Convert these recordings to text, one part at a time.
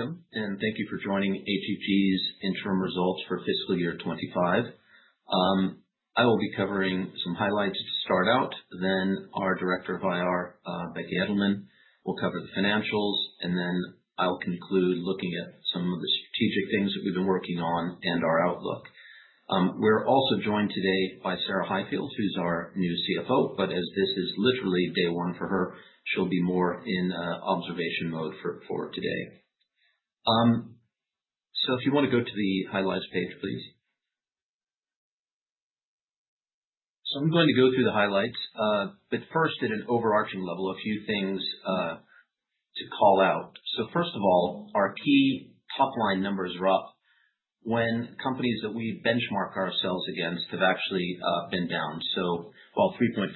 Welcome, and thank you for joining ATG's Interim Results for Fiscal Year 2025. I will be covering some highlights to start out, then our Director of IR, Becky Edelman, will cover the financials, and then I'll conclude looking at some of the strategic things that we've been working on and our outlook. We're also joined today by Sarah Highfield, who's our new CFO, but as this is literally day one for her, she'll be more in observation mode for today. If you want to go to the highlights page, please. I'm going to go through the highlights, but first, at an overarching level, a few things to call out. First of all, our key top-line numbers are up when companies that we benchmark ourselves against have actually been down. While 3.4%,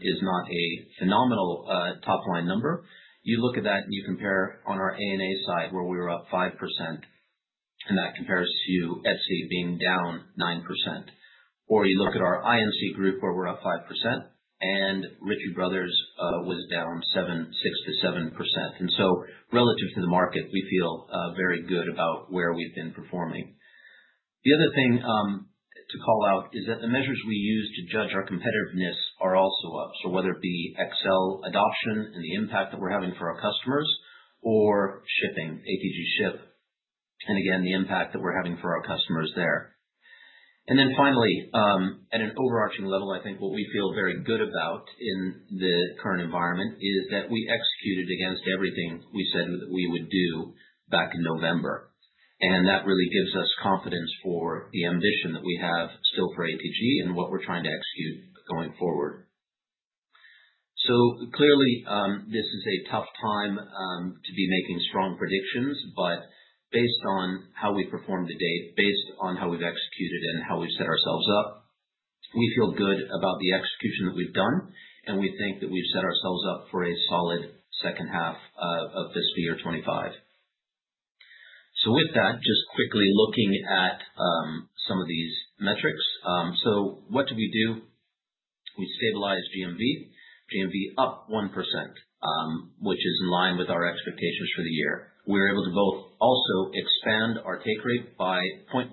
is not a phenomenal top-line number, you look at that and you compare on our ANA side, where we were up 5%, and that compares to Etsy, being down 9%. Or you look at our INC Group, where we're up 5%, and Ritchie Bros, was down 6-7%. Relative to the market, we feel very good about where we've been performing. The other thing to call out is that the measures we use to judge our competitiveness are also up. Whether it be Excel adoption, and the impact that we're having for our customers or shipping, ATG Ship, and again, the impact that we're having for our customers there. Finally, at an overarching level, I think what we feel very good about in the current environment is that we executed against everything we said that we would do back in November. That really gives us confidence for the ambition that we have still for ATG, and what we're trying to execute going forward. Clearly, this is a tough time to be making strong predictions, but based on how we performed to date, based on how we've executed and how we've set ourselves up, we feel good about the execution that we've done, and we think that we've set ourselves up for a solid second half, of fiscal year 2025. With that, just quickly looking at some of these metrics. What did we do? We stabilized GMV, GMV, up 1%, which is in line with our expectations for the year. We were able to also expand our take rate by 0.1%,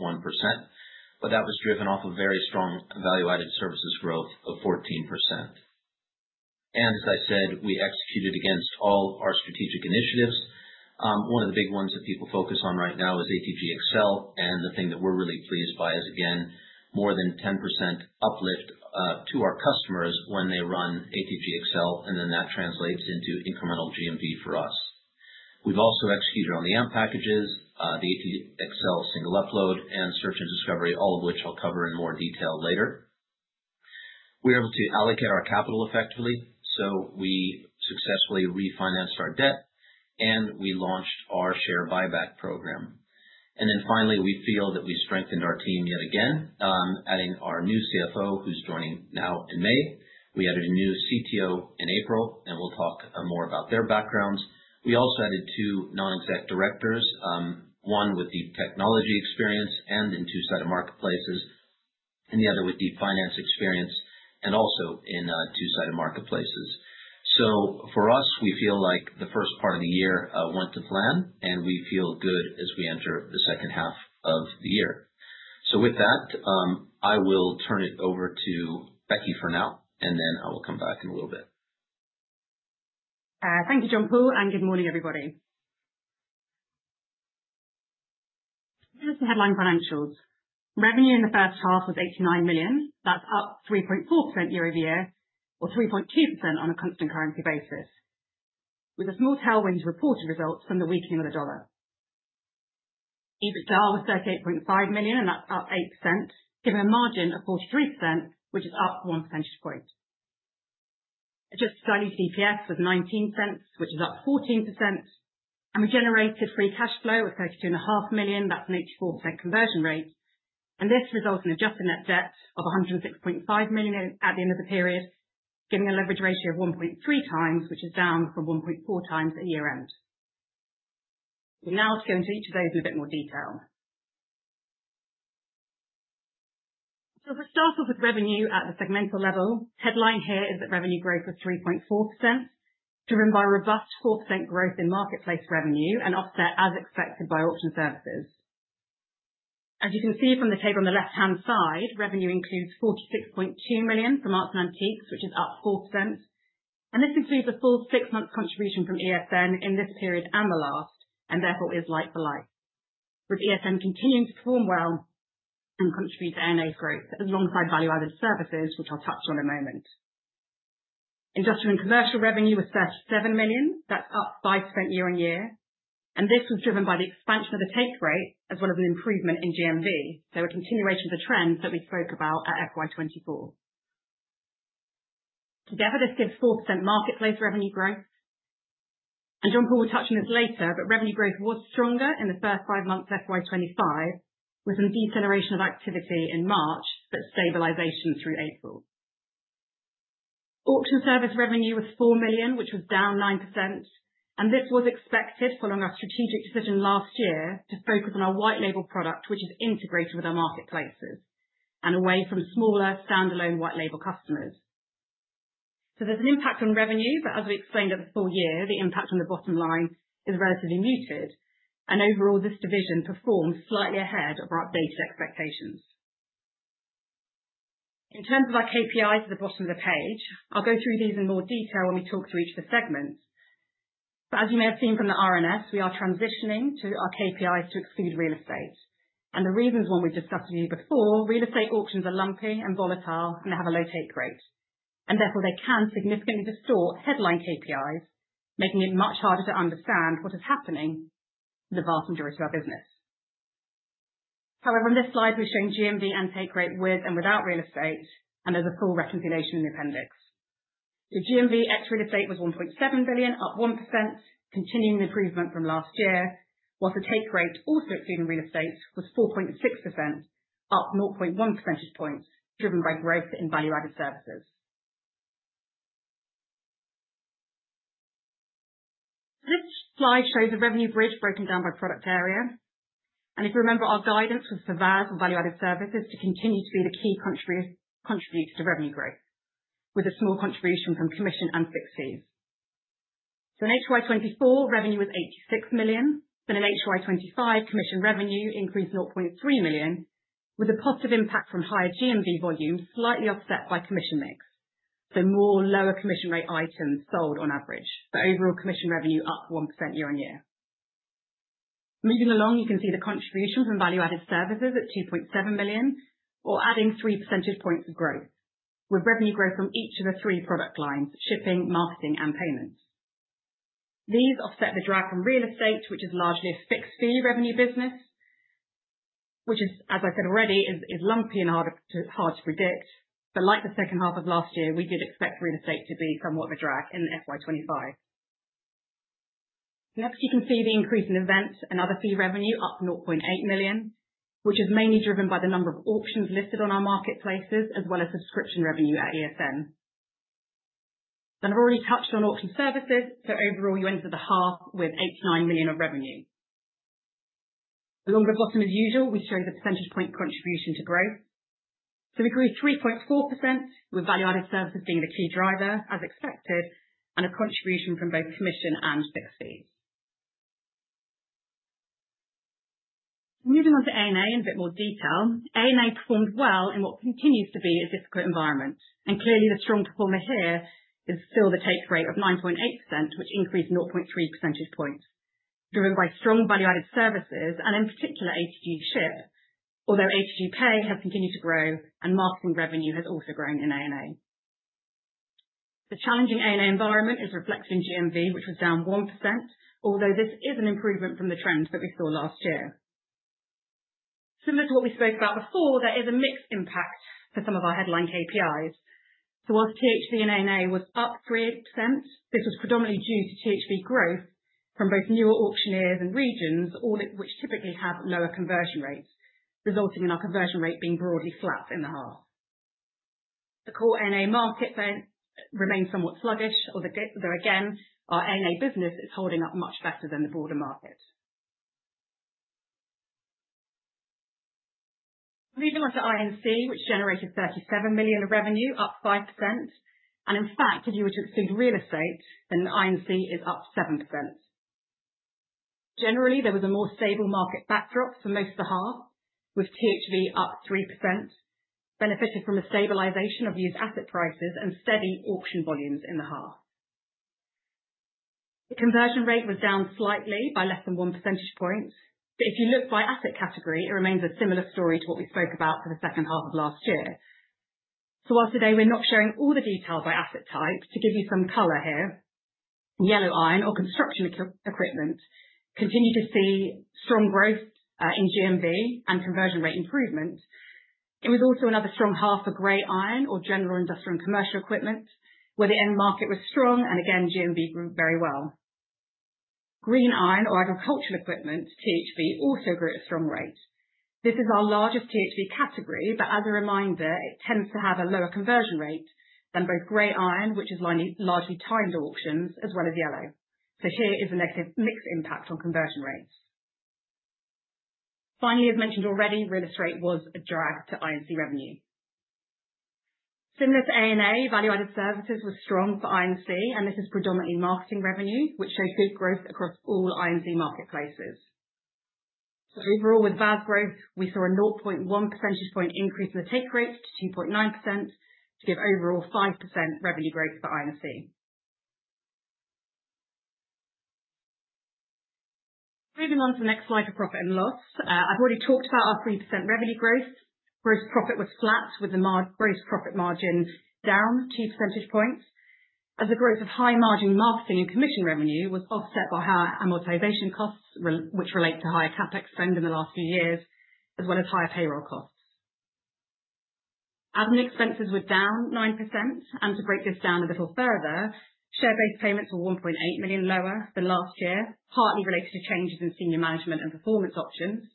but that was driven off of very strong value-added services growth, of 14%. As I said, we executed against all our strategic initiatives. One of the big ones that people focus on right now is ATG Excel, and the thing that we're really pleased by is, again, more than 10%, uplift to our customers when they run ATG Excel, and then that translates into incremental GMV, for us. We've also executed on the AMP packages, the ATG Excel, single upload, and search and discovery, all of which I'll cover in more detail later. We were able to allocate our capital effectively, so we successfully refinanced our debt, and we launched our share buyback program. Finally, we feel that we strengthened our team yet again, adding our new CFO, who's joining now in May. We added a new CTO, in April, and we'll talk more about their backgrounds. We also added two non-exec directors, one with deep technology experience and in two-sided marketplaces, and the other with deep finance experience and also in two-sided marketplaces. For us, we feel like the first part of the year went to plan, and we feel good as we enter the second half of the year. With that, I will turn it over to Becky, for now, and then I will come back in a little bit. Thank you, John-Paul, and good morning, everybody. Here's the headline financials. Revenue, in the first half was $89 million. That's up 3.4%, year over year or 3.2%, on a constant currency basis, with a small tailwind to reported results from the weakening of the dollar. EBITDA, was $38.5 million, and that's up 8%, giving a margin of 43%, which is up 1 percentage point. Adjusted value to EPS, was $0.19, which is up 14%. We generated free cash flow, of $32.5 million. That's an 84%, conversion rate. This results in adjusted net debt, of $106.5 million, at the end of the period, giving a leverage ratio of 1.3 times, which is down from 1.4 times at year-end. We'll now go into each of those in a bit more detail. If we start off with revenue, at the segmental level, headline here is that revenue growth was 3.4%, driven by robust 4%, growth in marketplace revenue, and offset as expected by auction services. As you can see from the table on the left-hand side, revenue includes $46.2 million, from arts and antiques, which is up 4%. This includes a full six-month contribution from ESN, in this period and the last, and therefore is like for like, with ESN, continuing to perform well and contribute to ANA's growth, alongside value-added services, which I'll touch on in a moment. Industrial and commercial revenue was $37 million. That's up 5%, year on year. This was driven by the expansion of the take rate as well as an improvement in GMV, so a continuation of the trends that we spoke about at FY2024. Together, this gives 4%, marketplace revenue growth. John-Paul, will touch on this later, but revenue growth, was stronger in the first five months of FY2025, with some deceleration of activity in March, but stabilization through April. Auction service revenue, was $4 million, which was down 9%. This was expected following our strategic decision last year to focus on our white label product, which is integrated with our marketplaces and away from smaller standalone white label customers. There is an impact on revenue, but as we explained at the full year, the impact on the bottom line is relatively muted. Overall, this division performed slightly ahead of our updated expectations. In terms of our KPIs, at the bottom of the page, I'll go through these in more detail when we talk through each of the segments. As you may have seen from the R&S, we are transitioning our KPIs, to exclude real estate. The reason is one we have discussed with you before. Real estate auctions, are lumpy and volatile, and they have a low take rate. They can significantly distort headline KPIs, making it much harder to understand what is happening to the vast majority of our business. However, on this slide, we are showing GMV, and take rate with and without real estate, and there is a full reconciliation in the appendix. GMV, excluding real estate, was $1.7 billion, up 1%, continuing the improvement from last year, while the take rate, also excluding real estate, was 4.6%, up 0.1 percentage points, driven by growth in value-added services. This slide shows a revenue bridge broken down by product area. If you remember, our guidance was for VAS or value-added services, to continue to be the key contributor to revenue growth, with a small contribution from commission and fixed fees. In HY24, revenue, was $86 million. In HY25, commission revenue increased $0.3 million, with a positive impact from higher GMV volume, slightly offset by commission mix. More lower commission rate items sold on average, but overall commission revenue, up 1%, year on year. Moving along, you can see the contribution from value-added services, at $2.7 million or adding 3 percentage points of growth, with revenue growth, from each of the three product lines: shipping, marketing, and payments. These offset the drag from real estate, which is largely a fixed fee revenue business, which, as I said already, is lumpy and hard to predict. Like the second half of last year, we did expect real estate to be somewhat of a drag in FY25. Next, you can see the increase in events and other fee revenue, up $0.8 million, which is mainly driven by the number of auctions listed on our marketplaces as well as subscription revenue at ESN. I have already touched on auction services, so overall, you enter the half with $89 million, of revenue. Along the bottom, as usual, we show the percentage point, contribution to growth. We grew 3.4%, with value-added services, being the key driver, as expected, and a contribution from both commission and fixed fees. Moving on to ANA, in a bit more detail, ANA, performed well in what continues to be a difficult environment. Clearly, the strong performer here is still the take rate of 9.8%, which increased 0.3 percentage points, driven by strong value-added services, and in particular, ATG Ship, although ATG Pay, has continued to grow and marketing revenue has also grown in ANA. The challenging ANA environment, is reflected in GMV, which was down 1%, although this is an improvement from the trend that we saw last year. Similar to what we spoke about before, there is a mixed impact for some of our headline KPIs. Whilst THV, in ANA, was up 3%, this was predominantly due to THV growth, from both newer auctioneers and regions, all of which typically have lower conversion rates, resulting in our conversion rate being broadly flat in the half. The core ANA market, then remains somewhat sluggish, although again, our ANA business, is holding up much better than the broader market. Moving on to INC, which generated $37 million, of revenue, up 5%. In fact, if you were to exclude real estate, then INC, is up 7%. Generally, there was a more stable market backdrop for most of the half, with THV, up 3%, benefited from a stabilization of used asset prices and steady auction volumes in the half. The conversion rate was down slightly by less than 1 percentage point, but if you look by asset category, it remains a similar story to what we spoke about for the second half of last year. While today we are not showing all the detail by asset type, to give you some color here, yellow iron or construction equipment, continued to see strong growth in GMV, and conversion rate improvement. It was also another strong half for gray iron or general industrial, and commercial equipment, where the end market was strong, and again, GMV, grew very well. Green iron or agricultural equipment, THV, also grew at a strong rate. This is our largest THV category, but as a reminder, it tends to have a lower conversion rate, than both gray iron, which is largely timed auctions, as well as yellow. Here is the negative mixed impact on conversion rates. Finally, as mentioned already, real estate was a drag to INC revenue. Similar to ANA, value-added services, was strong for INC, and this is predominantly marketing revenue, which showed good growth across all INC marketplaces. Overall, with VAS growth, we saw a 0.1 percentage point, increase in the take rate to 2.9%, to give overall 5%, revenue growth, for INC. Moving on to the next slide for profit and loss. I've already talked about our 3%, revenue growth. Gross profit, was flat, with the gross profit margin down 2 percentage points, as the growth of high-margin marketing and commission revenue, was offset by higher amortization costs, which relate to higher CapEx, spend in the last few years, as well as higher payroll costs. Admin expenses, were down 9%. To break this down a little further, share-based payments were $1.8 million, lower than last year, partly related to changes in senior management and performance options.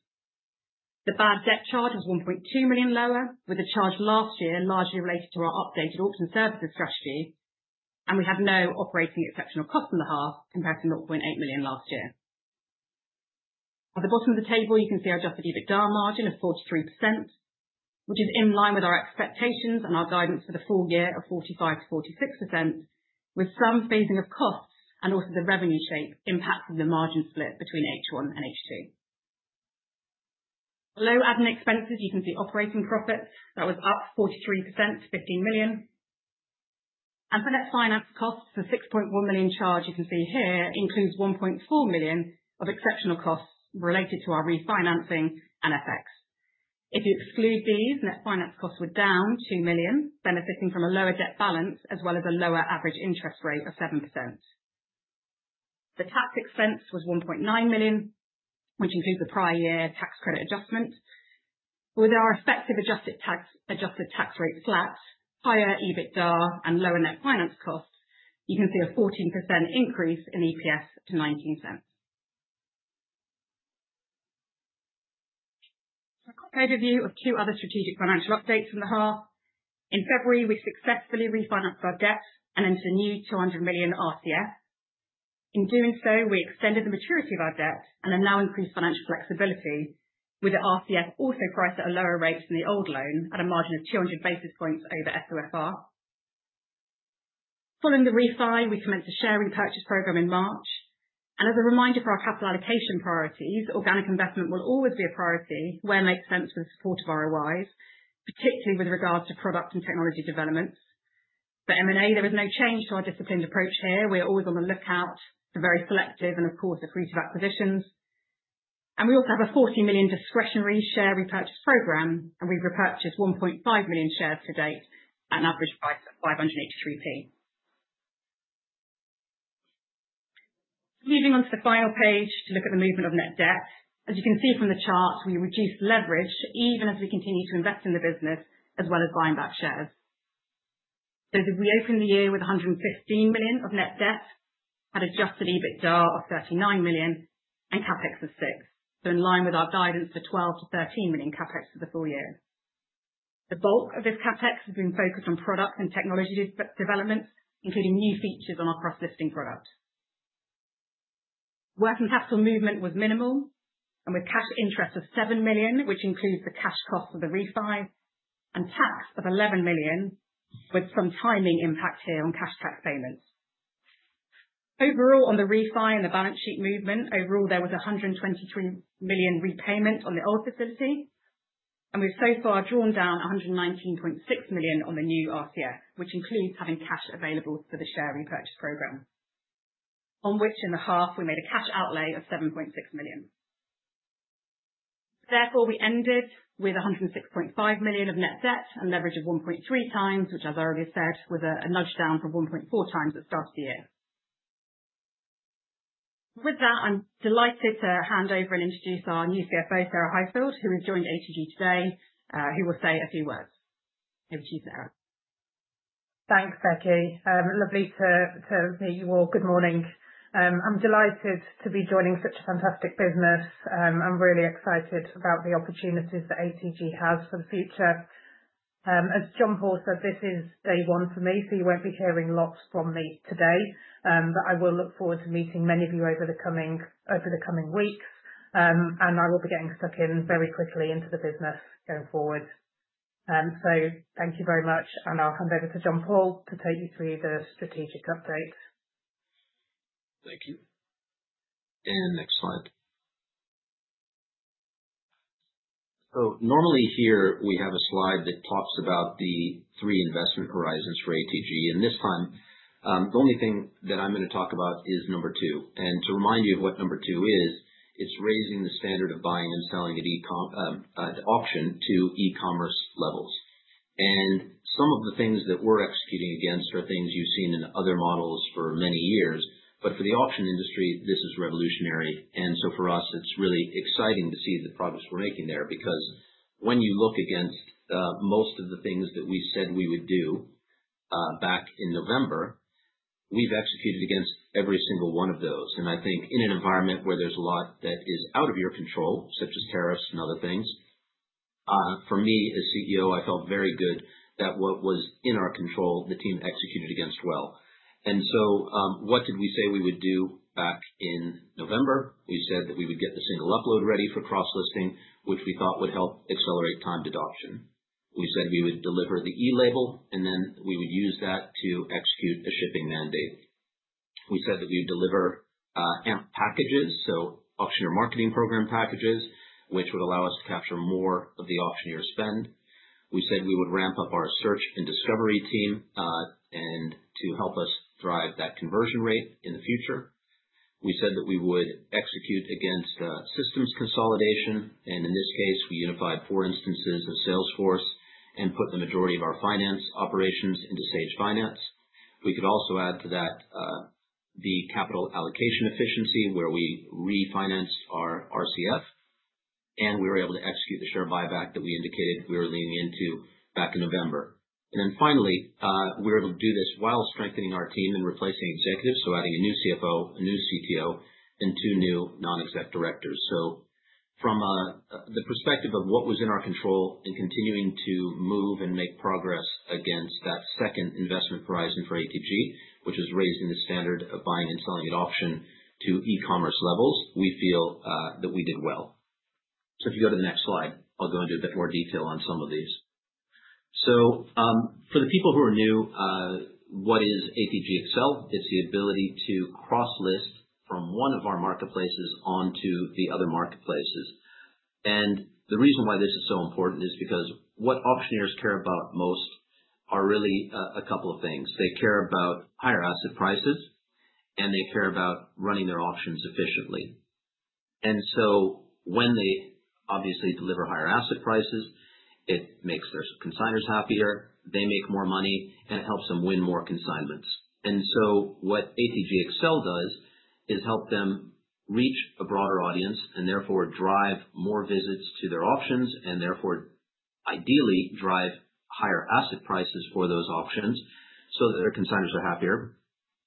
The bad debt charge, was $1.2 million lower, with the charge last year largely related to our updated auction services strategy. We had no operating exceptional cost, in the half, compared to $0.8 million, last year. At the bottom of the table, you can see our adjusted EBITDA margin, of 43%, which is in line with our expectations and our guidance for the full year of 45%-46%, with some phasing of costs, and also the revenue shape impacting the margin split, between H1 and H2. Below admin expenses, you can see operating profits. That was up 43% to $15 million. For net finance costs, the $6.1 million, charge you can see here includes $1.4 million, of exceptional costs, related to our refinancing and FX. If you exclude these, net finance costs, were down $2 million, benefiting from a lower debt balance, as well as a lower average interest rate, of 7%. The tax expense was $1.9 million, which includes the prior year tax credit adjustment. With our effective adjusted tax rate flat, higher EBITDA, and lower net finance costs, you can see a 14%, increase in EPS, to $0.19. A quick overview of two other strategic financial updates from the half. In February, we successfully refinanced our debt, and entered a new $200 million, RCF. In doing so, we extended the maturity of our debt, and now increased financial flexibility, with the RCF, also priced at a lower rate than the old loan at a margin, of 200 basis points, over SOFR. Following the refi, we commenced a share repurchase program in March. As a reminder for our capital allocation priorities, organic investment will always be a priority where it makes sense with the support of ROIs, particularly with regards to product and technology developments. For M&A, there is no change to our disciplined approach here. We are always on the lookout for very selective and, of course, accretive acquisitions. We also have a 40 million, discretionary share repurchase program, and we've repurchased 1.5 million shares,, to date at an average price of 5.83. Moving on to the final page to look at the movement of net debt. As you can see from the chart, we reduced leverage, even as we continue to invest in the business as well as buying back shares. We opened the year with 115 million, of net debt, had adjusted EBITDA, of 39 million, and CapEx, was 6 million. This is in line with our guidance for 12-13 million, CapEx, for the full year. The bulk of this CapEx, has been focused on product and technology developments, including new features on our cross-listing product. Working capital movement, was minimal, and with cash interest, of $7 million, which includes the cash costs, of the refi and tax, of $11 million, with some timing impact here on cash tax payments. Overall, on the refi and the balance sheet movement, overall, there was $123 million, repayment on the old facility. We've so far drawn down $119.6 million, on the new RCF, which includes having cash available for the share repurchase program, on which in the half, we made a cash outlay, of $7.6 million. Therefore, we ended with $106.5 million, of net debt and leverage, of 1.3 times, which, as I already said, was a nudge down from 1.4 times, at the start of the year. With that, I'm delighted to hand over and introduce our new CFO, Sarah Highfield, who has joined ATG today, who will say a few words. Over to you, Sarah. Thanks, Becky. Lovely to meet you all. Good morning. I'm delighted to be joining such a fantastic business. I'm really excited about the opportunities that ATG, has for the future. As John-Paul said, this is day one for me, so you won't be hearing lots from me today, but I will look forward to meeting many of you over the coming weeks, and I will be getting stuck in very quickly into the business going forward. Thank you very much, and I'll hand over to John-Paul to take you through the strategic updates. Thank you. Next slide. Normally here, we have a slide that talks about the three investment horizons for ATG. This time, the only thing that I'm going to talk about is number two. To remind you of what number two is, it is raising the standard of buying and selling, at auction to e-commerce levels. Some of the things that we are executing against are things you have seen in other models for many years, but for the auction industry, this is revolutionary. For us, it is really exciting to see the progress we are making there because when you look against most of the things that we said we would do back in November, we have executed against every single one of those. I think in an environment where there is a lot that is out of your control, such as tariffs and other things, for me as CEO, I felt very good that what was in our control, the team executed against well. What did we say we would do back in November? We said that we would get the single upload ready for cross-listing, which we thought would help accelerate timed adoption. We said we would deliver the e-label, and then we would use that to execute a shipping mandate. We said that we would deliver AMP packages, so auctioneer marketing program packages, which would allow us to capture more of the auctioneer spend. We said we would ramp up our search and discovery team to help us drive that conversion rate in the future. We said that we would execute against systems consolidation. In this case, we unified four instances of Salesforce, and put the majority of our finance operations into Sage Finance. We could also add to that the capital allocation efficiency where we refinanced our RCF, and we were able to execute the share buyback that we indicated we were leaning into back in November. Finally, we were able to do this while strengthening our team and replacing executives, so adding a new CFO, a new CTO, and two new non-exec directors. From the perspective of what was in our control and continuing to move and make progress against that second investment horizon for ATG, which was raising the standard of buying and selling at auction to e-commerce levels, we feel that we did well. If you go to the next slide, I'll go into a bit more detail on some of these. For the people who are new, what is ATG Excel? It's the ability to cross-list from one of our marketplaces onto the other marketplaces. The reason why this is so important is because what auctioneers care about most are really a couple of things. They care about higher asset prices, and they care about running their auctions efficiently. When they obviously deliver higher asset prices, it makes their consignors happier, they make more money, and it helps them win more consignments. What ATG Excel, does is help them reach a broader audience and therefore drive more visits to their auctions and therefore ideally drive higher asset prices, for those auctions so that their consignors are happier.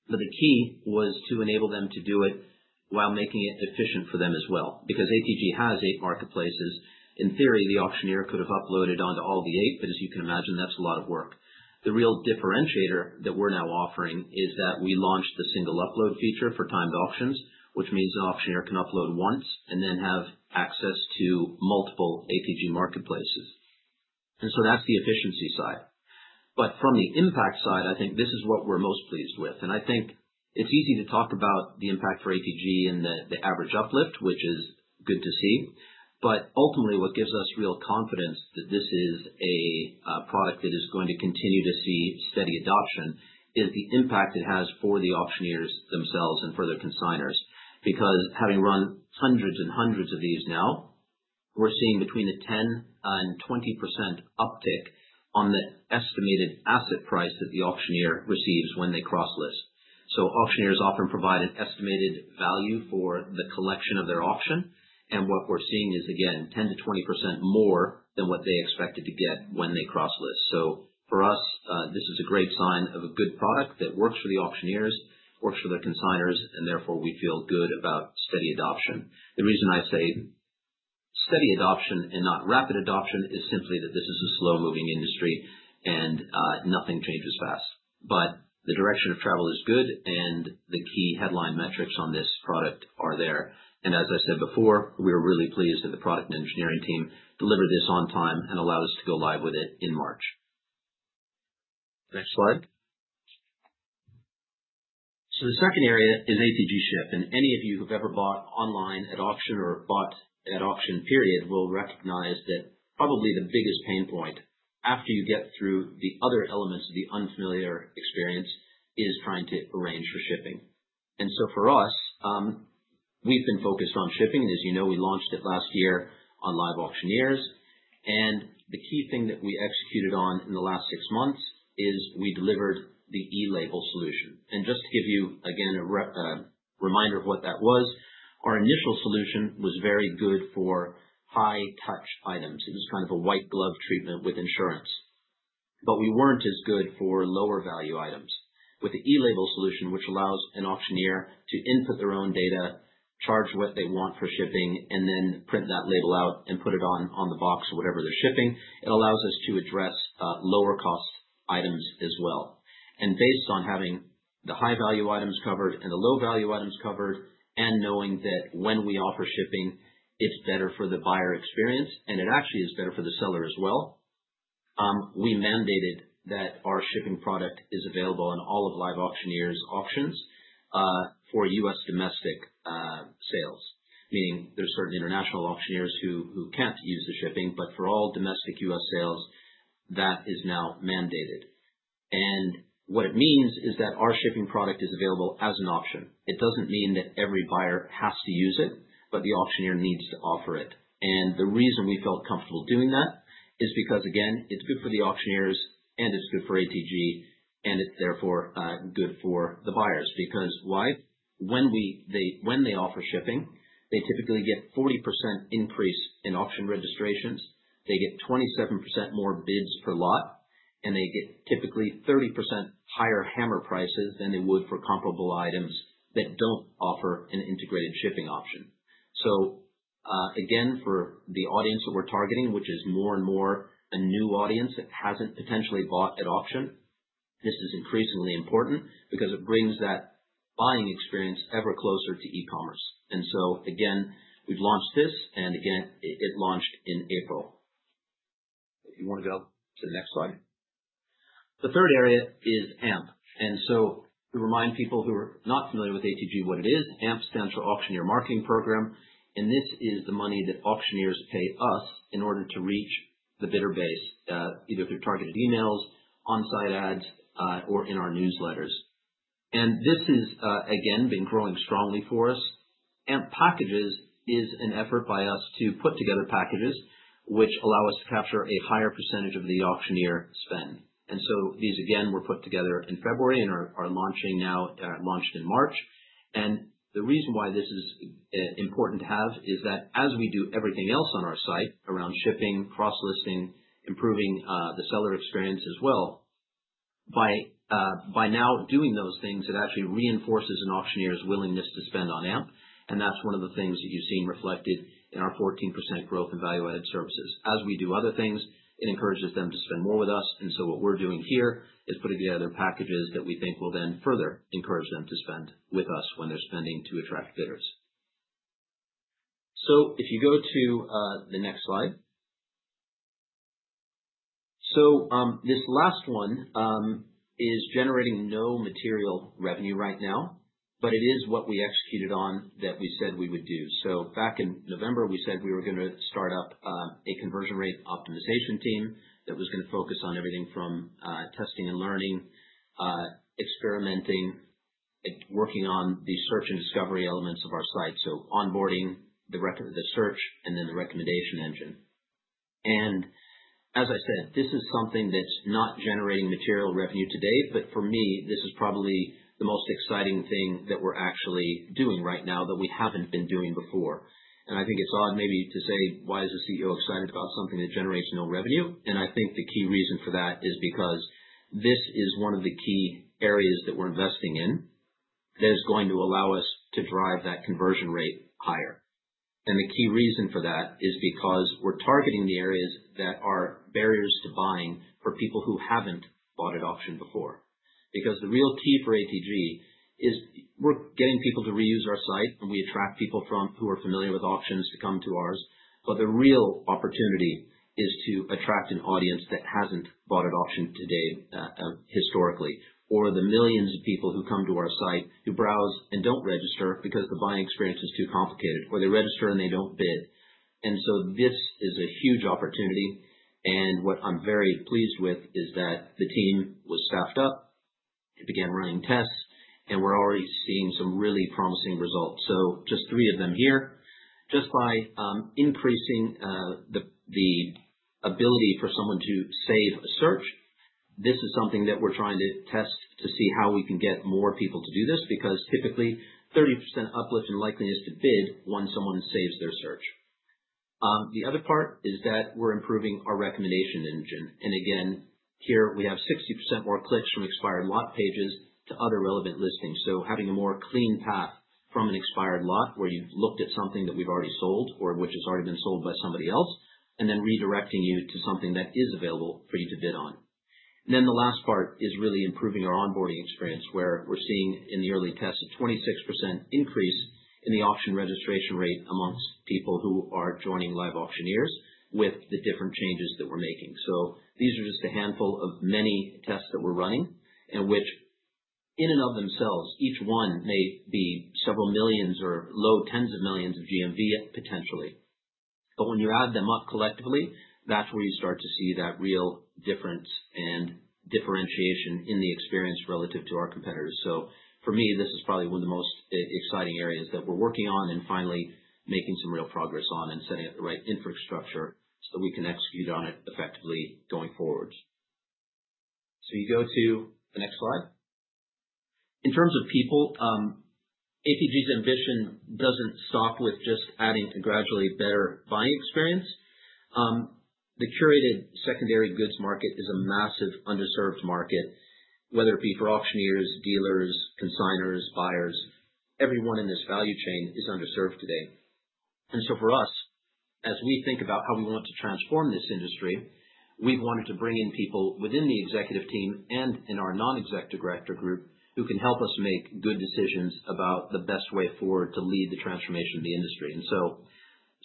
The key was to enable them to do it while making it efficient for them as well because ATG, has eight marketplaces. In theory, the auctioneer could have uploaded onto all the eight, but as you can imagine, that's a lot of work. The real differentiator that we're now offering is that we launched the single upload feature for timed auctions, which means an auctioneer can upload once and then have access to multiple ATG marketplaces. That is the efficiency side. From the impact side, I think this is what we're most pleased with. I think it's easy to talk about the impact for ATG, and the average uplift, which is good to see. Ultimately, what gives us real confidence that this is a product that is going to continue to see steady adoption is the impact it has for the auctioneers themselves and for their consignors. Because having run hundreds and hundreds of these now, we're seeing between a 10-20%, uptick on the estimated asset price, that the auctioneer receives when they cross-list. Auctioneers, often provide an estimated value for the collection of their auction, and what we're seeing is, again, 10-20%, more than what they expected to get when they cross-list. For us, this is a great sign of a good product that works for the auctioneers, works for their consignors, and therefore we feel good about steady adoption. The reason I say steady adoption and not rapid adoption, is simply that this is a slow-moving industry and nothing changes fast. The direction of travel is good, and the key headline metrics on this product are there. As I said before, we were really pleased that the product and engineering team, delivered this on time and allowed us to go live with it in March. Next slide. The second area is ATG Ship. Any of you who've ever bought online at auction or bought at auction, period, will recognize that probably the biggest pain point after you get through the other elements of the unfamiliar experience is trying to arrange for shipping. For us, we've been focused on shipping. As you know, we launched it last year on LiveAuctioneers. The key thing that we executed on in the last six months is we delivered the e-label solution. Just to give you, again, a reminder of what that was, our initial solution was very good for high-touch items. It was kind of a white-glove treatment, with insurance. We were not as good for lower-value items. With the e-label solution, which allows an auctioneer, to input their own data, charge what they want for shipping, and then print that label out and put it on the box or whatever they're shipping, it allows us to address lower-cost items as well. Based on having the high-value items covered and the low-value items covered, and knowing that when we offer shipping, it's better for the buyer experience, and it actually is better for the seller as well, we mandated that our shipping product is available on all of LiveAuctioneers' auctions for U.S. domestic sales, meaning there are certain international auctioneers who can't use the shipping. For all domestic U.S. sales, that is now mandated. What it means is that our shipping product is available as an option. It doesn't mean that every buyer has to use it, but the auctioneer needs to offer it. The reason we felt comfortable doing that is because, again, it's good for the auctioneers, and it's good for ATG, and it's therefore good for the buyers. Because why? When they offer shipping, they typically get a 40%, increase in auction registrations, they get 27%, more bids per lot, and they get typically 30%, higher hammer prices, than they would for comparable items that do not offer an integrated shipping option. Again, for the audience that we are targeting, which is more and more a new audience that has not potentially bought at auction, this is increasingly important because it brings that buying experience ever closer to e-commerce. We have launched this, and it launched in April. If you want to go to the next slide. The third area is AMP. To remind people who are not familiar with ATG, what it is, AMP stands for Auctioneer Marketing Program. This is the money that auctioneers pay us in order to reach the bidder base, either through targeted emails, on-site ads, or in our newsletters. This has, again, been growing strongly for us. AMP Packages, is an effort by us to put together packages which allow us to capture a higher percentage of the auctioneer spend. These, again, were put together in February, and are launching now, launched in March. The reason why this is important to have is that as we do everything else on our site around shipping, cross-listing, improving the seller experience as well, by now doing those things, it actually reinforces an auctioneer's willingness to spend on AMP. That is one of the things that you have seen reflected in our 14%, growth in value-added services. As we do other things, it encourages them to spend more with us. What we are doing here is putting together packages that we think will then further encourage them to spend with us when they are spending to attract bidders. If you go to the next slide. This last one is generating no material revenue, right now, but it is what we executed on that we said we would do. Back in November, we said we were going to start up a conversion rate optimization team, that was going to focus on everything from testing and learning, experimenting, working on the search and discovery elements of our site, onboarding, the search, and then the recommendation engine. As I said, this is something that's not generating material revenue today, but for me, this is probably the most exciting thing that we're actually doing right now that we haven't been doing before. I think it's odd maybe to say, "Why is a CEO, excited about something that generates no revenue?" I think the key reason for that is because this is one of the key areas that we're investing in that is going to allow us to drive that conversion rate higher. The key reason for that is because we're targeting the areas that are barriers to buying for people who haven't bought at auction before. The real key for ATG, is we're getting people to reuse our site, and we attract people who are familiar with auctions to come to ours. The real opportunity is to attract an audience that has not bought at auction today historically, or the millions of people who come to our site who browse and do not register because the buying experience is too complicated, or they register and they do not bid. This is a huge opportunity. What I am very pleased with is that the team was staffed up, it began running tests, and we are already seeing some really promising results. Just three of them here. Just by increasing the ability for someone to save a search, this is something that we are trying to test to see how we can get more people to do this because typically, 30%, uplift in likeliness to bid when someone saves their search. The other part is that we are improving our recommendation engine. Here we have 60%, more clicks from expired lot pages to other relevant listings. Having a more clean path from an expired lot where you have looked at something that we have already sold or which has already been sold by somebody else, and then redirecting you to something that is available for you to bid on. The last part is really improving our onboarding experience where we are seeing in the early tests a 26%, increase in the auction registration rate, amongst people who are joining live auctioneers with the different changes that we are making. These are just a handful of many tests that we are running in which in and of themselves, each one may be several millions or low tens of millions, of GMV potentially. When you add them up collectively, that's where you start to see that real difference and differentiation in the experience relative to our competitors. For me, this is probably one of the most exciting areas that we're working on and finally making some real progress on and setting up the right infrastructure so that we can execute on it effectively going forward. You go to the next slide. In terms of people, ATG's, ambition doesn't stop with just adding a gradually better buying experience. The curated secondary goods market, is a massive underserved market, whether it be for auctioneers, dealers, consignors, buyers. Everyone in this value chain is underserved today. As we think about how we want to transform this industry, we've wanted to bring in people within the executive team, and in our non-executive director group, who can help us make good decisions about the best way forward to lead the transformation of the industry.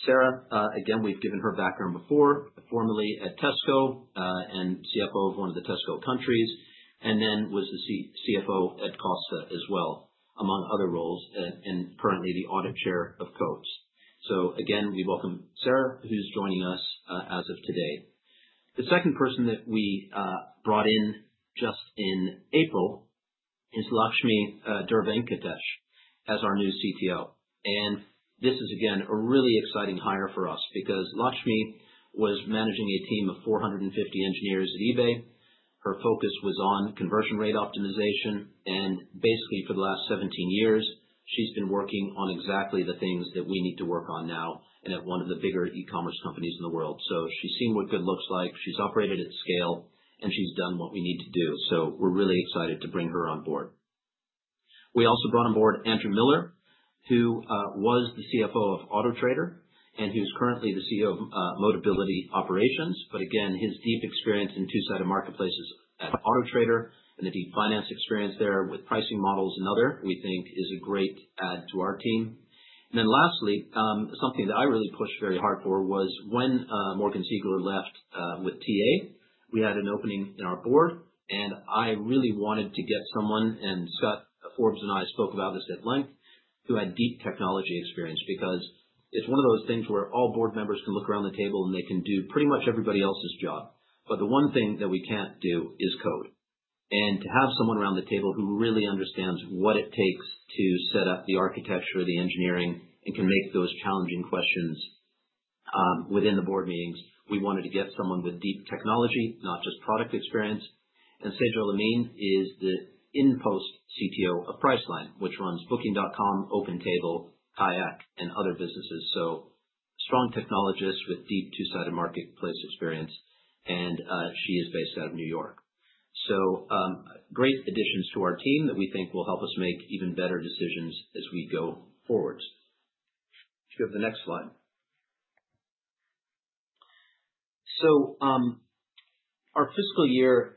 Sarah, again, we've given her background before, formerly at Tesco and CFO, of one of the Tesco countries, and then was the CFO at Costa, as well, among other roles, and currently the audit chair of Coates. We welcome Sarah, who's joining us as of today. The second person that we brought in just in April, is Lakshmi Dervenkatesh, as our new CTO. This is, again, a really exciting hire for us because Lakshmi, was managing a team of 450 engineers, at eBay. Her focus was on conversion rate optimization. Basically, for the last 17 years, she's been working on exactly the things that we need to work on now and at one of the bigger e-commerce companies in the world. She's seen what good looks like, she's operated at scale, and she's done what we need to do. We're really excited to bring her on board. We also brought on board Andrew Miller, who was the CFO of Autotrader, and who's currently the CEO of Motability Operations. Again, his deep experience in two-sided marketplaces at Autotrader, and the deep finance experience there with pricing models and other, we think, is a great add to our team. Lastly, something that I really pushed very hard for was when Morgan Seagler, left with TA, we had an opening in our board, and I really wanted to get someone—Scott, Forbes, and I spoke about this at length—who had deep technology experience because it is one of those things where all board members can look around the table and they can do pretty much everybody else's job. The one thing that we cannot do is code. To have someone around the table who really understands what it takes to set up the architecture, the engineering, and can make those challenging questions within the board meetings, we wanted to get someone with deep technology, not just product experience. Sajal Amin, is the in-post CTO of Priceline, which runs Booking.com, OpenTable, Kayak, and other businesses. Strong technologists, with deep two-sided marketplace experience, and she is based out of New York. Great additions to our team that we think will help us make even better decisions as we go forward. If you go to the next slide. Our fiscal year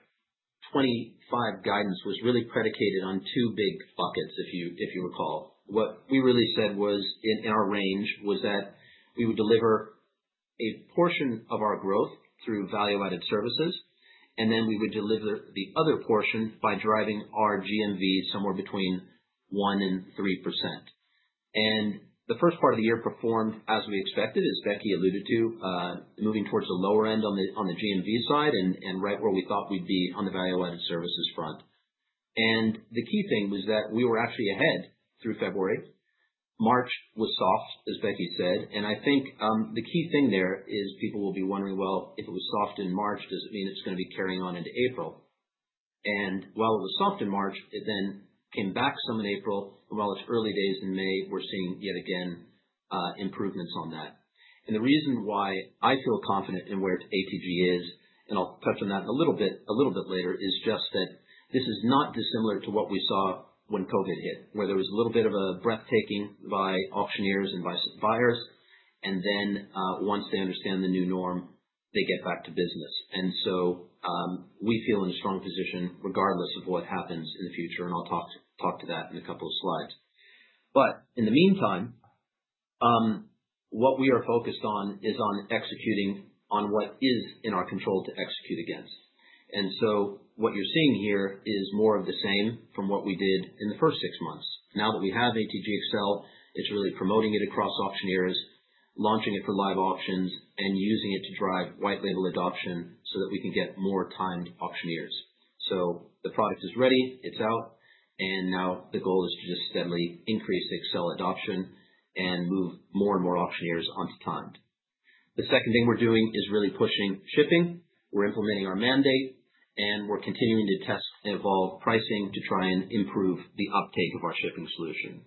2025, guidance was really predicated on two big buckets, if you recall. What we really said was in our range was that we would deliver a portion of our growth through value-added services, and then we would deliver the other portion by driving our GMV, somewhere between 1% and 3%. The first part of the year performed as we expected, as Becky alluded to, moving towards the lower end on the GMV side, and right where we thought we would be on the value-added services front. The key thing was that we were actually ahead through February. March was soft, as Becky said. I think the key thing there is people will be wondering, "If it was soft in March, does it mean it's going to be carrying on into April?" While it was soft in March, it then came back some in April. While it's early days in May, we're seeing yet again improvements on that. The reason why I feel confident in where ATG, is and I'll touch on that a little bit later, is just that this is not dissimilar to what we saw when COVID hit, where there was a little bit of a breathtaking by auctioneers and by buyers. Once they understand the new norm, they get back to business. We feel in a strong position regardless of what happens in the future. I'll talk to that in a couple of slides. What we are focused on in the meantime is executing on what is in our control to execute against. What you are seeing here is more of the same from what we did in the first six months. Now that we have ATG Excel, it is really promoting it across auctioneers, launching it for live auctions, and using it to drive white-label adoption so that we can get more timed auctioneers. The product is ready, it is out, and now the goal is to just steadily increase Excel adoption, and move more and more auctioneers onto timed. The second thing we are doing is really pushing shipping. We are implementing our mandate, and we are continuing to test and evolve pricing to try and improve the uptake of our shipping solution.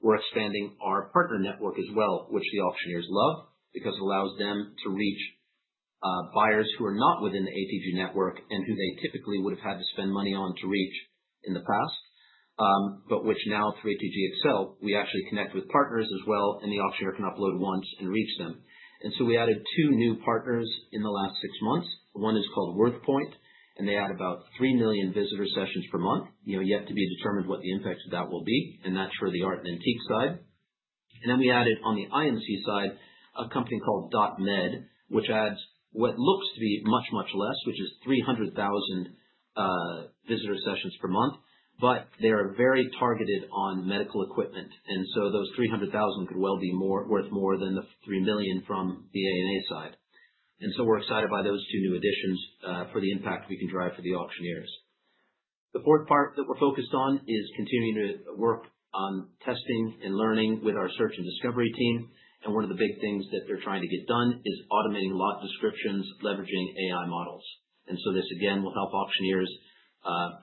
We're expanding our partner network as well, which the auctioneers love because it allows them to reach buyers who are not within the ATG network, and who they typically would have had to spend money on to reach in the past, but which now through ATG Excel, we actually connect with partners as well, and the auctioneer can upload once and reach them. We added two new partners in the last six months. One is called Worthpoint, and they add about 3 million visitor sessions per month. Yet to be determined what the impact of that will be. That is for the art and antique side. We added on the IMC side, a company called DotMed, which adds what looks to be much, much less, which is 300,000 visitor sessions per month, but they are very targeted on medical equipment. Those 300,000, could well be worth more than the 3 million, from the ANA side. We are excited by those two new additions for the impact we can drive for the auctioneers. The fourth part, that we are focused on is continuing to work on testing and learning with our search and discovery team. One of the big things that they are trying to get done is automating lot descriptions, leveraging AI models. This, again, will help auctioneers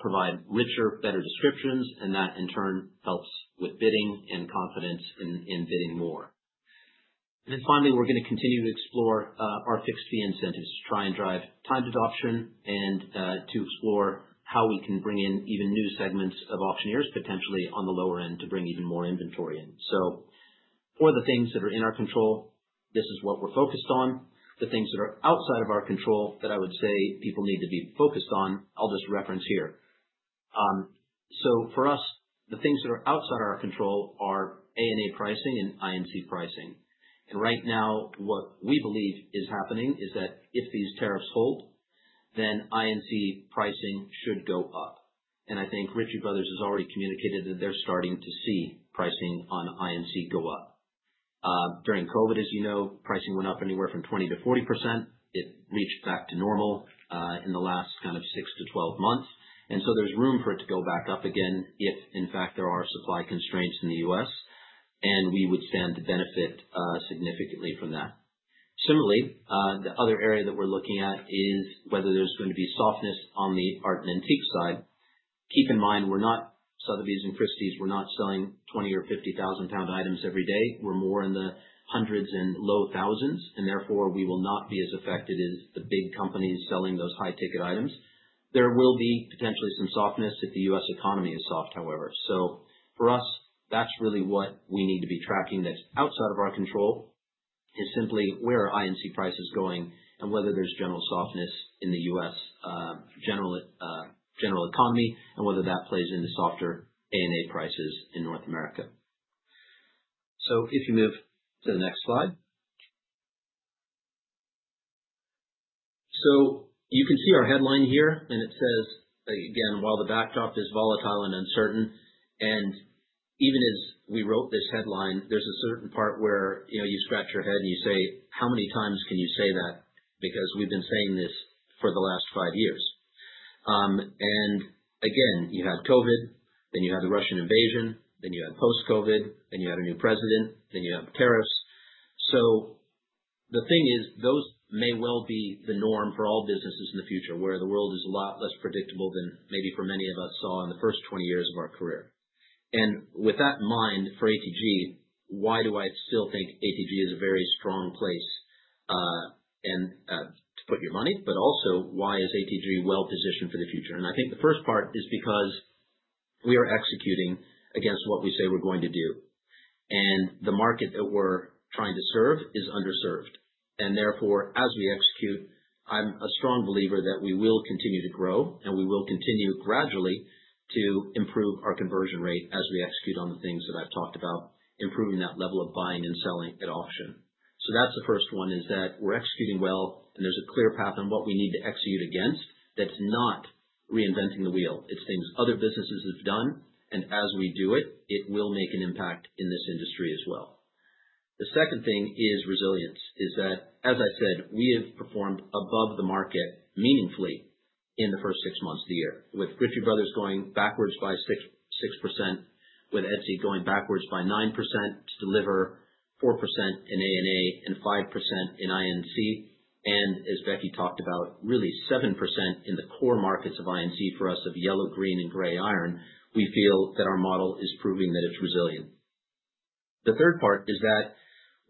provide richer, better descriptions, and that in turn helps with bidding and confidence in bidding more. Finally, we are going to continue to explore our fixed fee incentives, to try and drive timed adoption and to explore how we can bring in even new segments of auctioneers potentially on the lower end to bring even more inventory in. For the things that are in our control, this is what we're focused on. The things that are outside of our control that I would say people need to be focused on, I'll just reference here. For us, the things that are outside of our control are ANA pricing and IMC pricing. Right now, what we believe is happening is that if these tariffs hold, then IMC pricing, should go up. I think Ritchie Bros, has already communicated that they're starting to see pricing on IMC, go up. During COVID, as you know, pricing went up anywhere from 20%-40%. It reached back to normal in the last kind of 6-12 months. There is room for it to go back up again if, in fact, there are supply constraints in the U.S., and we would stand to benefit significantly from that. Similarly, the other area that we're looking at is whether there's going to be softness on the art and antique side. Keep in mind, we're not Sotheby's and Christie's. We're not selling 20,000 or 50,000 pound items, every day. We're more in the hundreds and low thousands. Therefore, we will not be as affected as the big companies selling those high-ticket items. There will be potentially some softness if the U.S. economy is soft, however. For us, that's really what we need to be tracking that's outside of our control is simply where are IMC prices, going and whether there's general softness in the U.S. general economy and whether that plays into softer ANA prices, in North America. If you move to the next slide. You can see our headline here, and it says, again, "While the backdrop is volatile and uncertain," and even as we wrote this headline, there is a certain part where you scratch your head and you say, "How many times can you say that? Because we have been saying this for the last five years." You had COVID, then you had the Russian invasion, then you had post-COVID, then you had a new president, then you have tariffs. The thing is, those may well be the norm for all businesses in the future where the world is a lot less predictable than maybe many of us saw in the first 20 years of our career. With that in mind for ATG, why do I still think ATG, is a very strong place to put your money, but also why is ATG, well-positioned for the future? I think the first part is because we are executing against what we say we're going to do. The market that we're trying to serve is underserved. Therefore, as we execute, I'm a strong believer that we will continue to grow and we will continue gradually to improve our conversion rate as we execute on the things that I've talked about, improving that level of buying and selling at auction. That's the first one, that we're executing well, and there's a clear path on what we need to execute against that's not reinventing the wheel. It's things other businesses have done. As we do it, it will make an impact in this industry as well. The second thing is resilience is that, as I said, we have performed above the market meaningfully in the first six months of the year, with Ritchie Bros, going backwards by 6%, with Etsy, going backwards by 9%, to deliver 4%, in ANA, and 5% ,in IMC. As Becky, talked about, really 7%,, in the core markets of IMC, for us of yellow, green, and gray iron, we feel that our model is proving that it's resilient. The third part is that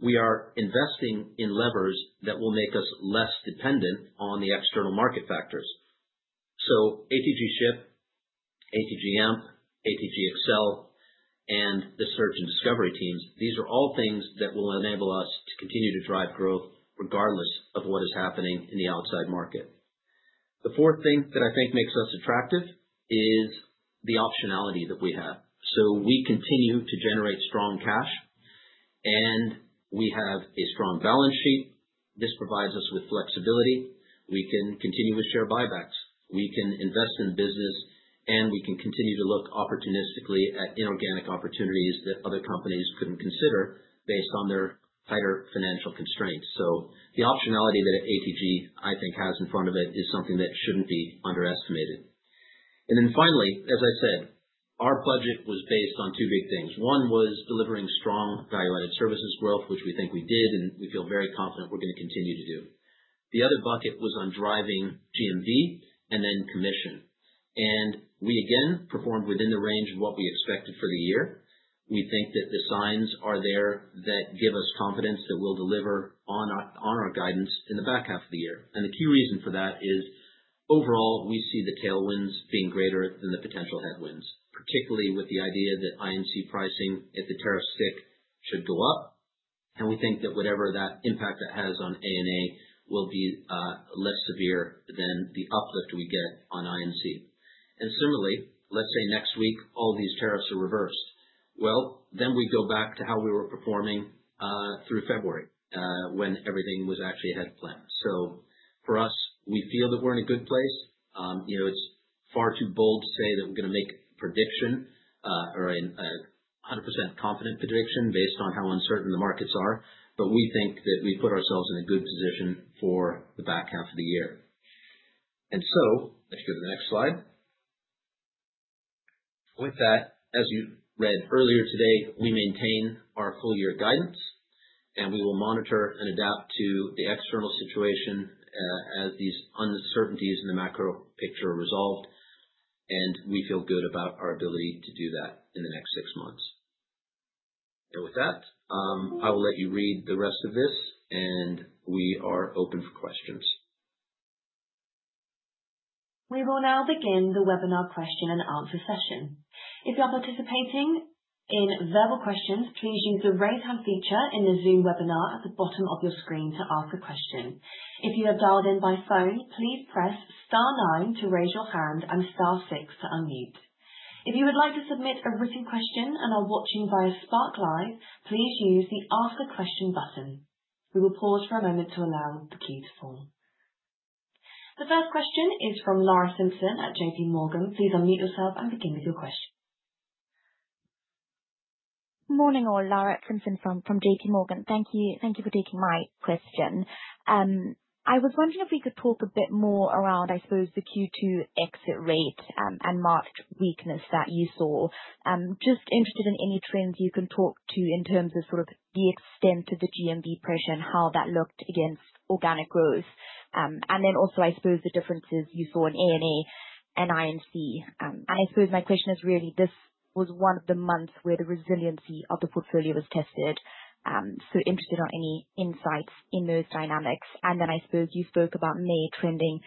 we are investing in levers that will make us less dependent on the external market factors. ATG Ship, ATG AMP, ATG Excel, and the search and discovery teams, these are all things that will enable us to continue to drive growth regardless of what is happening in the outside market. The fourth thing that I think makes us attractive is the optionality that we have. We continue to generate strong cash, and we have a strong balance sheet. This provides us with flexibility. We can continue with share buybacks. We can invest in business, and we can continue to look opportunistically at inorganic opportunities that other companies could not consider based on their tighter financial constraints. The optionality that ATG, I think, has in front of it is something that should not be underestimated. Finally, as I said, our budget was based on two big things. One was delivering strong value-added services growth, which we think we did, and we feel very confident we are going to continue to do. The other bucket was on driving GMV, and then commission. We, again, performed within the range of what we expected for the year. We think that the signs are there that give us confidence that we'll deliver on our guidance in the back half of the year. The key reason for that is overall, we see the tailwinds being greater than the potential headwinds, particularly with the idea that IMC pricing, if the tariffs stick, should go up. We think that whatever impact that has on ANA, will be less severe than the uplift we get on IMC. Similarly, let's say next week all these tariffs are reversed. We go back to how we were performing through February, when everything was actually ahead of plan. For us, we feel that we're in a good place. It's far too bold to say that we're going to make a prediction or a 100%, confident prediction, based on how uncertain the markets are, but we think that we put ourselves in a good position for the back half of the year. If you go to the next slide. With that, as you read earlier today, we maintain our full year guidance, and we will monitor and adapt to the external situation as these uncertainties in the macro picture are resolved. We feel good about our ability to do that in the next six months. With that, I will let you read the rest of this, and we are open for questions. We will now begin the webinar question and answer session. If you're participating in verbal questions, please use the raise hand feature in the Zoom webinar at the bottom of your screen to ask a question. If you have dialed in by phone, please press star nine to raise your hand and star six to unmute. If you would like to submit a written question and are watching via Spark Live, please use the ask a question button. We will pause for a moment to allow the queue to form. The first question is from Lara Simpson, at J.P. Morgan. Please unmute yourself and begin with your question. Morning all. Lara Simpson, from J.P. Morgan. Thank you. Thank you for taking my question. I was wondering if we could talk a bit more around, I suppose, the Q2, exit rate, and marked weakness that you saw. Just interested in any trends you can talk to in terms of sort of the extent of the GMV pressure, and how that looked against organic growth. I suppose the differences you saw in ANA and IMC. I suppose my question is really, this was one of the months where the resiliency of the portfolio was tested. Interested on any insights in those dynamics. I suppose you spoke about May, trending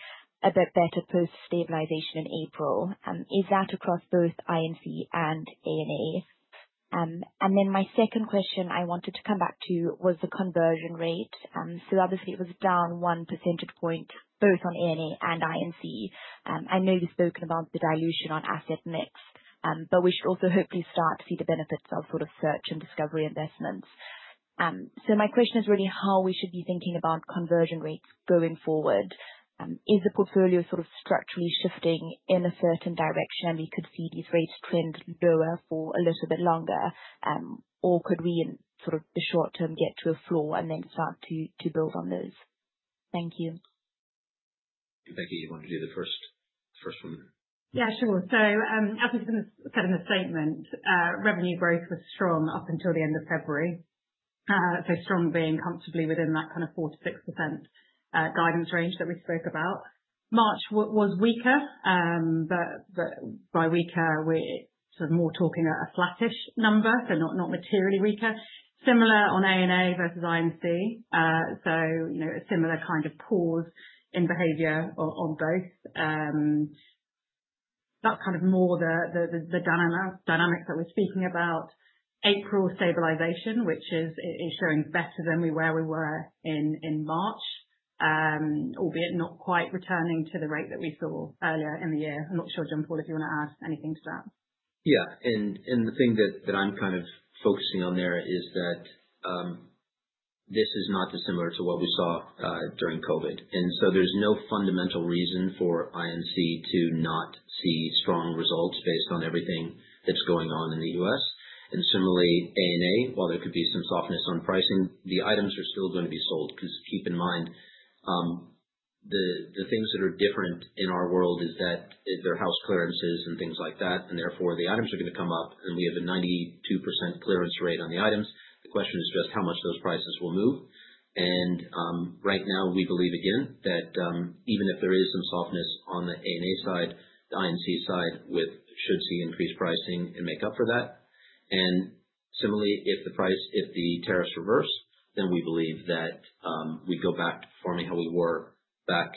a bit better post-stabilization in April. Is that across both IMC and ANA? My second question I wanted to come back to was the conversion rate. Obviously, it was down one percentage point, both on ANA and IMC. I know you've spoken about the dilution on asset mix, but we should also hopefully start to see the benefits of sort of search and discovery investments. My question is really how we should be thinking about conversion rates going forward. Is the portfolio sort of structurally shifting in a certain direction, and we could see these rates trend lower for a little bit longer, or could we in sort of the short term get to a floor and then start to build on those? Thank you. Becky, you want to do the first one. Yeah, sure. As we said in the statement, revenue growth, was strong up until the end of February. Strong being comfortably within that kind of 4-6%, guidance range that we spoke about. March, was weaker, but by weaker, we're sort of more talking a flattish number, so not materially weaker. Similar on ANA, versus IMC. A similar kind of pause in behavior on both. That's kind of more the dynamics that we're speaking about. April stabilization, which is showing better than where we were in March, albeit not quite returning to the rate that we saw earlier in the year. I'm not sure, John-Paul, if you want to add anything to that. Yeah. The thing that I'm kind of focusing on there is that this is not dissimilar to what we saw during COVID. There is no fundamental reason for IMC, to not see strong results based on everything that's going on in the U.S. Similarly, ANA, while there could be some softness on pricing, the items are still going to be sold because keep in mind the things that are different in our world is that they're house clearances and things like that. Therefore, the items are going to come up, and we have a 92%, clearance rate, on the items. The question is just how much those prices will move. Right now, we believe, again, that even if there is some softness on the ANA side, the IMC side, should see increased pricing and make up for that. Similarly, if the tariffs reverse, then we believe that we go back to performing how we were back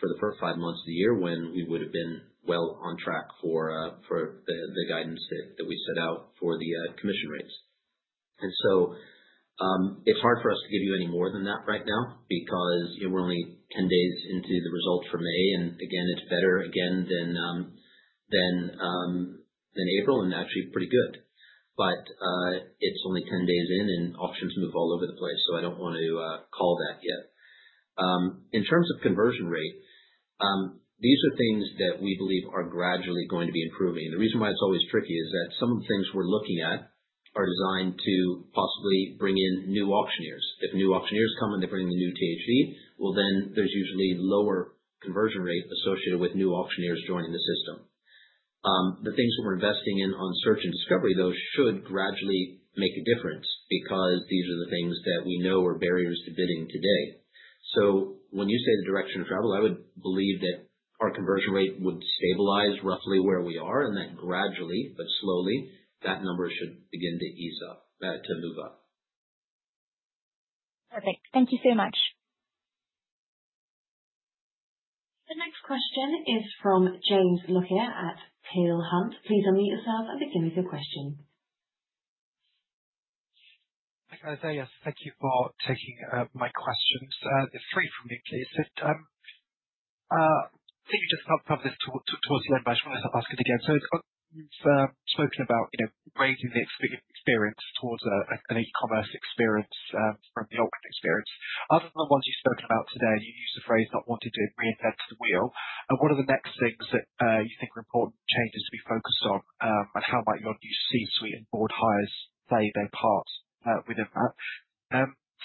for the first five months, of the year when we would have been well on track for the guidance that we set out for the commission rates. It is hard for us to give you any more than that right now because we are only 10 days into the results for May. Again, it is better again than April, and actually pretty good. It is only 10 days in, and auctions move all over the place, so I do not want to call that yet. In terms of conversion rate, these are things that we believe are gradually going to be improving. The reason why it's always tricky is that some of the things we're looking at are designed to possibly bring in new auctioneers. If new auctioneers come and they bring the new THV, there is usually lower conversion rate associated with new auctioneers joining the system. The things that we're investing in on search and discovery, though, should gradually make a difference because these are the things that we know are barriers to bidding today. When you say the direction of travel, I would believe that our conversion rate would stabilize roughly where we are, and that gradually, but slowly, that number should begin to ease up, to move up. Perfect. Thank you so much. The next question is from James Lockyer, at Peel Hunt. Please unmute yourself and begin with your question. Hi, Felius. Thank you for taking my questions. Three from me, please. I think you just talked about this towards the end, but I just want to ask it again. You have spoken about raising the experience towards an e-commerce experience from the Altman experience. Other than the ones you have spoken about today, you used the phrase not wanting to reinvent the wheel. What are the next things that you think are important changes to be focused on, and how might your new C-suite, and board hires play their part within that?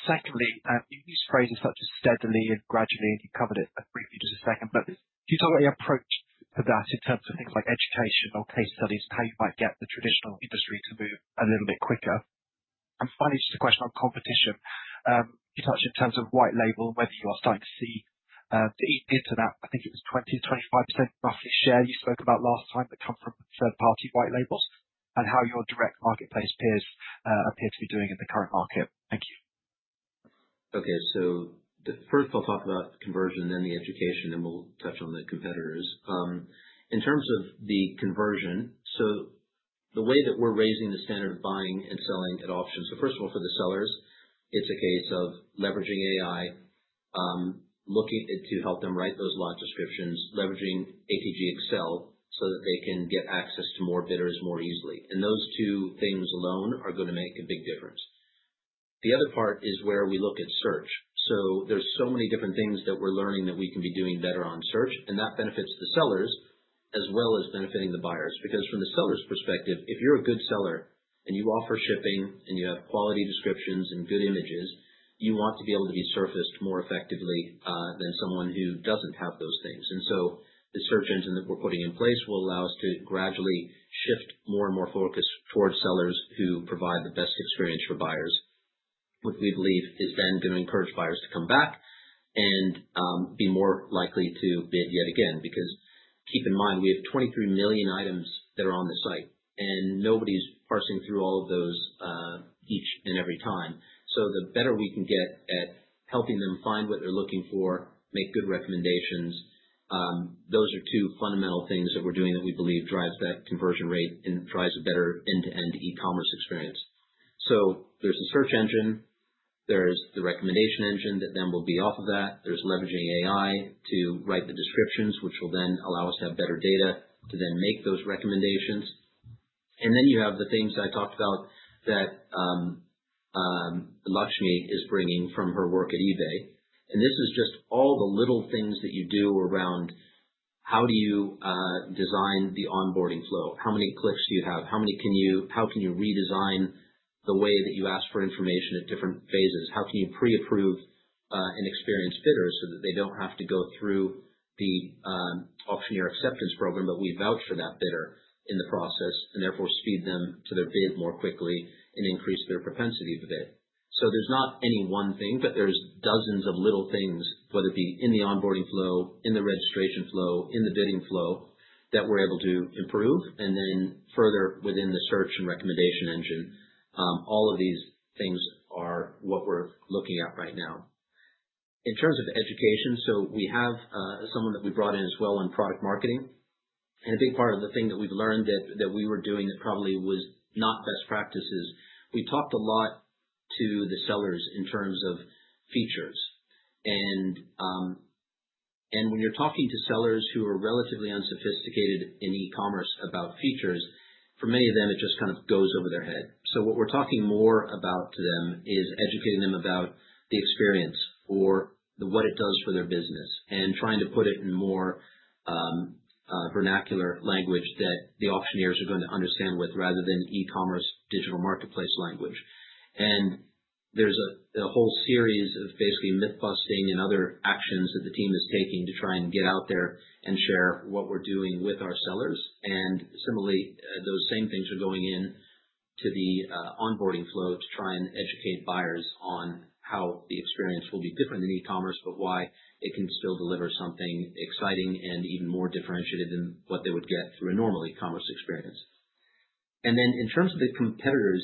Secondly, you used phrases such as steadily and gradually, and you covered it briefly just a second ago, but can you talk about your approach to that in terms of things like educational case studies and how you might get the traditional industry to move a little bit quicker? Finally, just a question on competition. You touched in terms of white label and whether you are starting to see the internet, I think it was 20-25%, roughly share you spoke about last time that come from third-party white labels, and how your direct marketplace peers appear to be doing in the current market. Thank you. Okay. First, I'll talk about conversion, then the education, and we'll touch on the competitors. In terms of the conversion, the way that we're raising the standard of buying and selling at auction, first of all, for the sellers, it's a case of leveraging AI, looking to help them write those lot descriptions, leveraging ATG Excel, so that they can get access to more bidders more easily. Those two things alone are going to make a big difference. The other part is where we look at search. There are so many different things that we're learning that we can be doing better on search, and that benefits the sellers as well as benefiting the buyers because from the seller's perspective, if you're a good seller and you offer shipping and you have quality descriptions and good images, you want to be able to be surfaced more effectively than someone who does not have those things. The search engine that we're putting in place will allow us to gradually shift more and more focus towards sellers who provide the best experience for buyers, which we believe is then going to encourage buyers to come back and be more likely to bid yet again because keep in mind, we have 23 million items, that are on the site, and nobody's parsing through all of those each and every time. The better we can get at helping them find what they're looking for, make good recommendations, those are two fundamental things, that we're doing that we believe drives that conversion rate and drives a better end-to-end e-commerce experience. There's the search engine. There's the recommendation engine, that then will be off of that. There's leveraging AI, to write the descriptions, which will then allow us to have better data to then make those recommendations. You have the things I talked about that Lakshmi, is bringing from her work at eBay. This is just all the little things that you do around how do you design the onboarding flow? How many clicks do you have? How can you redesign the way that you ask for information at different phases? How can you pre-approve an experienced bidder so that they do not have to go through the auctioneer acceptance program, but we vouch for that bidder, in the process and therefore speed them to their bid more quickly and increase their propensity to bid? There is not any one thing, but there are dozens of little things, whether it be in the onboarding flow, in the registration flow, in the bidding flow that we are able to improve. Further, within the search and recommendation engine, all of these things are what we are looking at right now. In terms of education, we have someone that we brought in as well in product marketing. A big part of the thing that we have learned that we were doing that probably was not best practice is we talked a lot to the sellers in terms of features. When you're talking to sellers who are relatively unsophisticated in e-commerce about features, for many of them, it just kind of goes over their head. What we're talking more about to them is educating them about the experience or what it does for their business and trying to put it in more vernacular language, that the auctioneers are going to understand rather than e-commerce digital marketplace language. There is a whole series of basically myth-busting and other actions that the team is taking to try and get out there and share what we're doing with our sellers. Similarly, those same things are going into the onboarding flow to try and educate buyers on how the experience will be different than e-commerce, but why it can still deliver something exciting and even more differentiated than what they would get through a normal e-commerce experience. And then in terms of the competitors,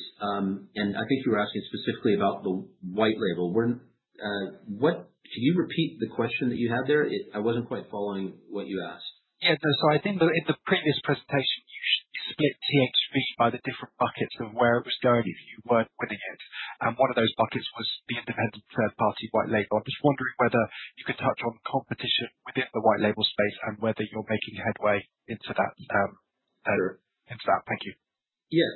and I think you were asking specifically about the white label, can you repeat the question that you had there? I was not quite following what you asked. Yeah. I think in the previous presentation, you split THV, by the different buckets of where it was going if you were not winning it. One of those buckets was the independent third-party white label. I am just wondering whether you could touch on competition within the white label space and whether you are making headway into that. Sure. Into that. Thank you. Yeah.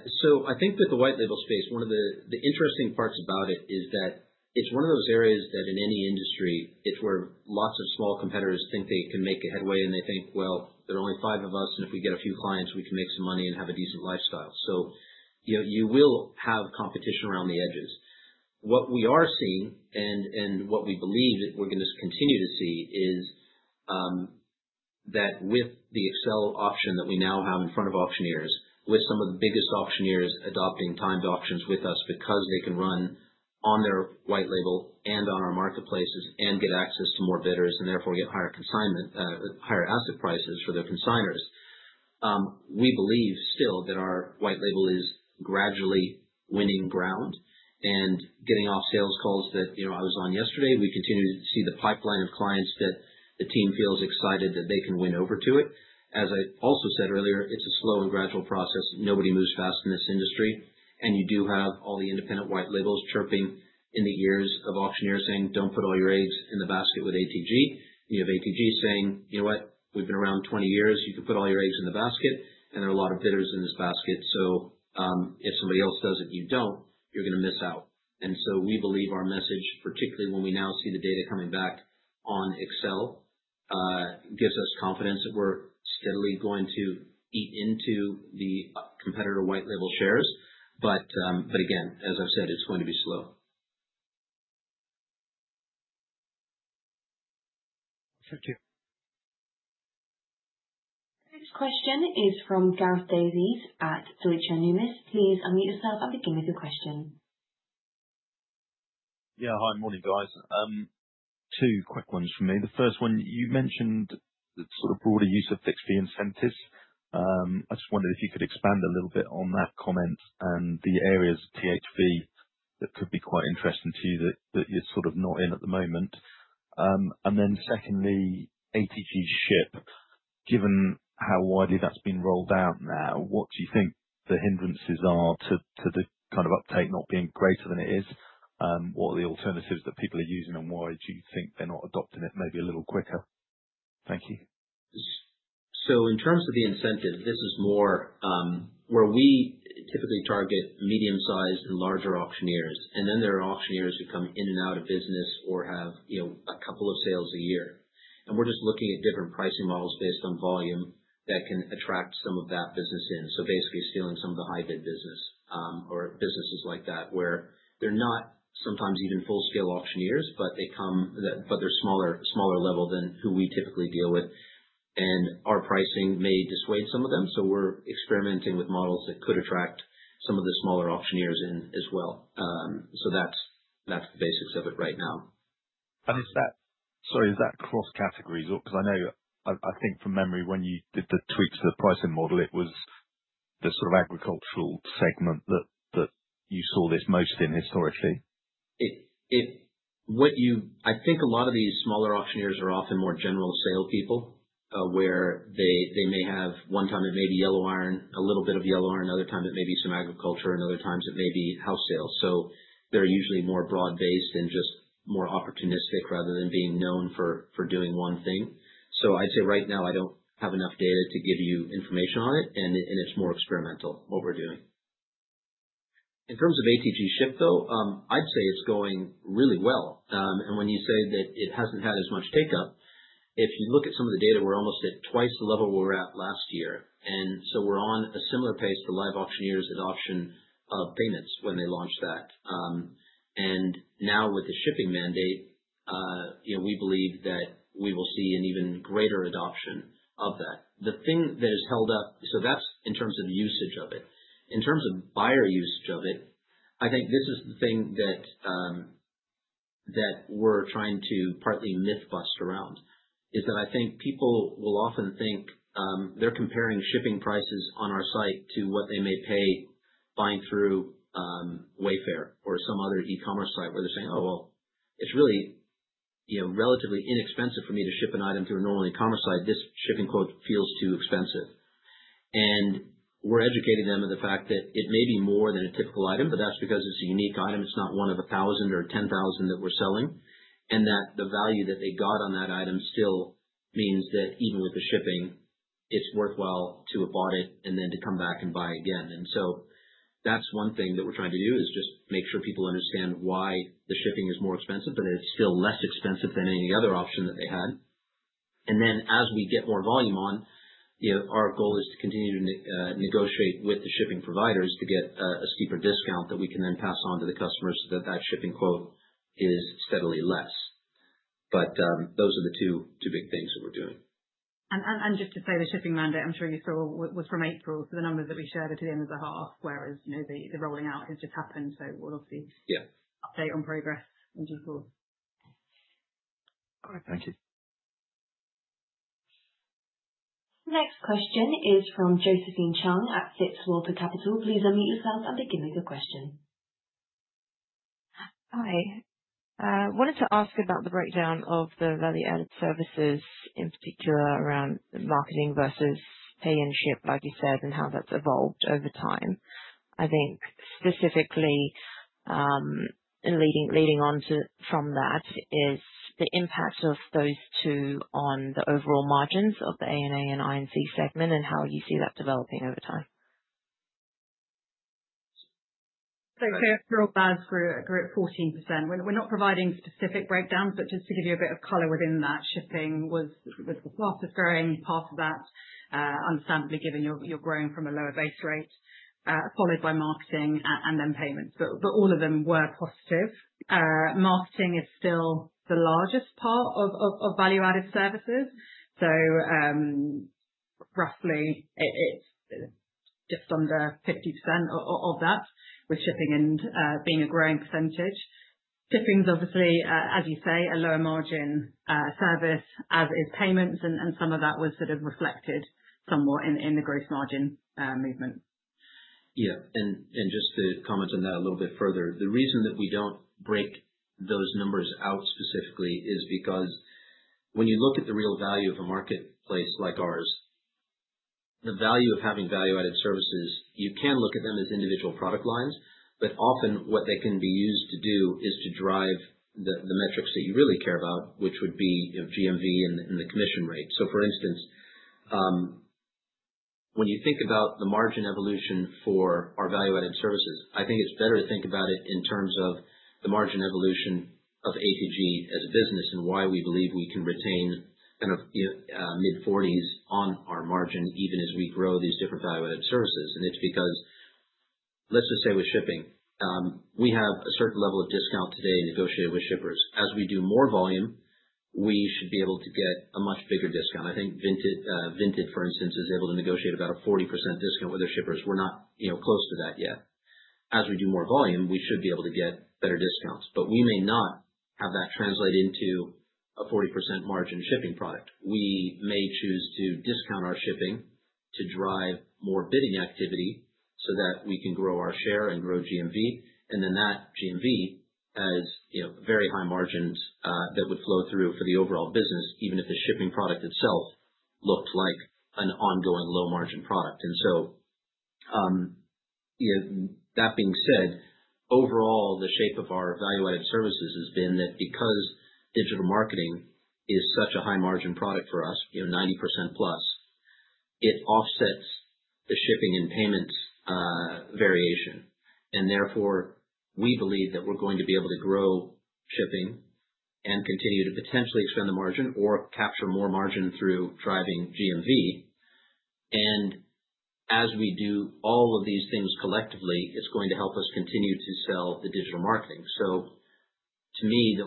I think with the white label space, one of the interesting parts about it is that it's one of those areas that in any industry, it's where lots of small competitors think they can make a headway, and they think, "Well, there are only five of us, and if we get a few clients, we can make some money and have a decent lifestyle." You will have competition around the edges. What we are seeing and what we believe that we're going to continue to see is that with the Excel option, that we now have in front of auctioneers, with some of the biggest auctioneers adopting timed auctions, with us because they can run on their white label and on our marketplaces, and get access to more bidders, and therefore get higher asset prices, for their consignors. We believe still that our white label is gradually winning ground and getting off sales calls that I was on yesterday. We continue to see the pipeline of clients that the team feels excited that they can win over to it. As I also said earlier, it's a slow and gradual process. Nobody moves fast in this industry. You do have all the independent white labels chirping in the ears of auctioneers saying, "Don't put all your eggs in the basket with ATG." You have ATG saying, "You know what? We've been around 20 years. You can put all your eggs in the basket, and there are a lot of bidders in this basket. If somebody else does it and you do not, you are going to miss out. We believe our message, particularly when we now see the data coming back on Excel, gives us confidence that we are steadily going to eat into the competitor white label shares. As I have said, it is going to be slow. Thank you. The next question is from Gareth Davies, at Deutsche Numis. Please unmute yourself and begin with your question. Hi, morning, guys. Two quick ones for me. The first one, you mentioned the sort of broader use of fixed fee incentives. I just wondered if you could expand a little bit on that comment and the areas of THV, that could be quite interesting to you that you are not in at the moment. Secondly, ATG Ship, given how widely that's been rolled out now, what do you think the hindrances are to the kind of uptake not being greater than it is? What are the alternatives that people are using, and why do you think they're not adopting it maybe a little quicker? Thank you. In terms of the incentive, this is more where we typically target medium-sized and larger auctioneers. There are auctioneers who come in and out of business or have a couple of sales a year. We're just looking at different pricing models based on volume that can attract some of that business in. Basically stealing some of the high-bid business or businesses like that where they're not sometimes even full-scale auctioneers, but they come, but they're smaller level than who we typically deal with. Our pricing may dissuade some of them. We're experimenting with models that could attract some of the smaller auctioneers in as well. That's the basics of it right now. Is that, sorry, is that cross-categories? Because I know, I think from memory, when you did the tweaks to the pricing model, it was the sort of agricultural segment that you saw this most in historically. I think a lot of these smaller auctioneers, are often more general sale people where they may have one time it may be yellow iron, a little bit of yellow iron, other time it may be some agriculture, and other times it may be house sales. They're usually more broad-based, and just more opportunistic rather than being known for doing one thing. I'd say right now, I don't have enough data to give you information on it, and it's more experimental what we're doing. In terms of ATG Ship, though, I'd say it's going really well. When you say that it hasn't had as much take-up, if you look at some of the data, we're almost at twice the level we were at last year. We're on a similar pace to LiveAuctioneers' adoption of payments, when they launched that. Now with the shipping mandate, we believe that we will see an even greater adoption of that. The thing that has held up, so that's in terms of usage of it. In terms of buyer usage of it, I think this is the thing that we're trying to partly myth-bust around, is that I think people will often think they're comparing shipping prices on our site to what they may pay buying through Wayfair, or some other e-commerce site, where they're saying, "Oh, well, it's really relatively inexpensive for me to ship an item through a normal e-commerce site. This shipping quote feels too expensive." We are educating them in the fact that it may be more than a typical item, but that's because it's a unique item. It's not one of a thousand or ten thousand, that we're selling, and that the value, that they got on that item still means that even with the shipping, it's worthwhile to have bought it and then to come back and buy again. That is one thing that we are trying to do, just make sure people understand why the shipping is more expensive, but it is still less expensive, than any other option that they had. As we get more volume on, our goal is to continue to negotiate with the shipping providers to get a steeper discount that we can then pass on to the customers so that the shipping quote is steadily less. Those are the two big things that we are doing. Just to say, the shipping mandate, I am sure you saw, was from April. The numbers that we shared at the end of the half, whereas the rolling out has just happened. We will obviously update on progress in due course. All right. Thank you. The next question is from Josephine Cheung, at FitzWalter Capital. Please unmute yourself and begin with your question. Hi. I wanted to ask about the breakdown of the value-added services, in particular around marketing versus pay and ship, like you said, and how that's evolved over time. I think specifically leading on from that is the impact of those two on the overall margins, of the A&A and I&C segment, and how you see that developing over time. Clear-throat buzz grew a great 14%. We're not providing specific breakdowns, but just to give you a bit of color within that, shipping was the fastest growing part of that, understandably given you're growing from a lower base rate, followed by marketing and then payments. All of them were positive. Marketing, is still the largest part of value-added services. Roughly it's just under 50%, of that with shipping being a growing percentage. Shipping's obviously, as you say, a lower margin service, as is payments, and some of that was sort of reflected somewhat in the gross margin movement. Yeah. Just to comment on that a little bit further, the reason that we do not break those numbers out specifically is because when you look at the real value of a marketplace like ours, the value of having value-added services, you can look at them as individual product lines, but often what they can be used to do is to drive the metrics that you really care about, which would be GMV, and the commission rate. For instance, when you think about the margin evolution for our value-added services, I think it is better to think about it in terms of the margin evolution of ATG, as a business and why we believe we can retain kind of mid-40s, on our margin, even as we grow these different value-added services. It is because, let's just say with shipping, we have a certain level of discount today negotiated with shippers. As we do more volume, we should be able to get a much bigger discount. I think Vinted, for instance, is able to negotiate about a 40% discount, with their shippers. We are not close to that yet. As we do more volume, we should be able to get better discounts. We may not have that translate into a 40% margin, shipping product. We may choose to discount our shipping to drive more bidding activity, so that we can grow our share and grow GMV. That GMV, has very high margins that would flow through for the overall business, even if the shipping product itself looked like an ongoing low-margin product. That being said, overall, the shape of our value-added services, has been that because digital marketing is such a high-margin product for us, 90%+, it offsets the shipping and payments variation. Therefore, we believe that we're going to be able to grow shipping and continue to potentially expand the margin or capture more margin through driving GMV. As we do all of these things collectively, it's going to help us continue to sell the digital marketing. To me,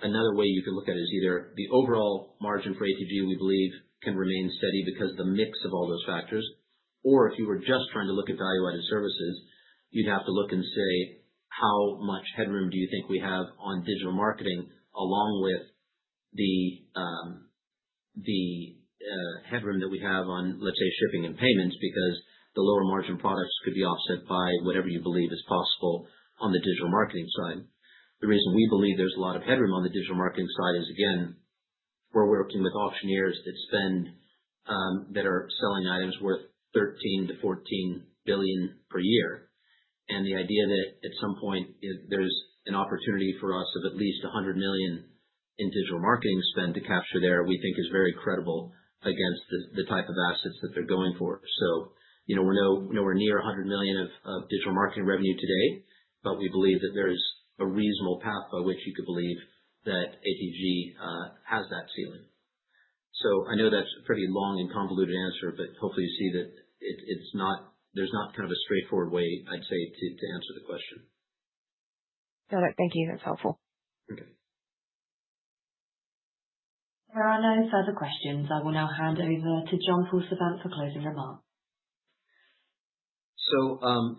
another way you could look at it is either the overall margin for ATG, we believe, can remain steady because of the mix of all those factors, or if you were just trying to look at value-added services, you'd have to look and say, "How much headroom do you think we have on digital marketing along with the headroom that we have on, let's say, shipping and payments?" Because the lower margin products could be offset by whatever you believe is possible on the digital marketing side. The reason we believe there's a lot of headroom on the digital marketing side is, again, we're working with auctioneers that are selling items worth $13 billion-$14 billion, per year. The idea that at some point, there's an opportunity for us of at least $100 million, in digital marketing, spend to capture there, we think is very credible against the type of assets that they're going for. We're nowhere near $100 million, of digital marketing revenue, today but we believe that there is a reasonable path by which you could believe that ATG, has that ceiling. I know that's a pretty long and convoluted answer, but hopefully you see that there's not kind of a straightforward way, I'd say, to answer the question. Got it. Thank you. That's helpful. Okay. There are no further questions. I will now hand over to John-Paul Savant, for closing remarks.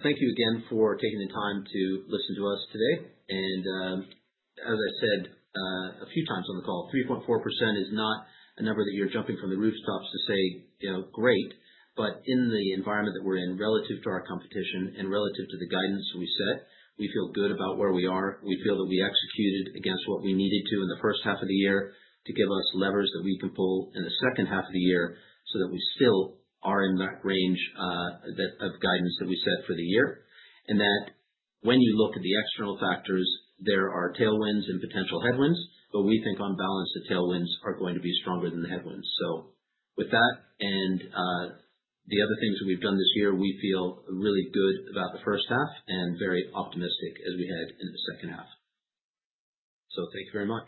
Thank you again for taking the time to listen to us today. As I said a few times on the call, 3.4%, is not a number that you're jumping from the rooftops to say, "Great." In the environment that we're in relative to our competition and relative to the guidance we set, we feel good about where we are. We feel that we executed against what we needed to in the first half of the year to give us levers that we can pull in the second half of the year so that we still are in that range of guidance that we set for the year. When you look at the external factors, there are tailwinds and potential headwinds, but we think on balance, the tailwinds are going to be stronger than the headwinds. With that and the other things that we've done this year, we feel really good about the first half and very optimistic as we head into the second half. Thank you very much.